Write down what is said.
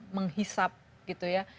menghisap gitu ya